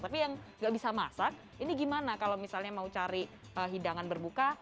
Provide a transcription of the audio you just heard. tapi yang nggak bisa masak ini gimana kalau misalnya mau cari hidangan berbuka